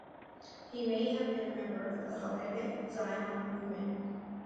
He may have been a member of the Hovevei Zion movement.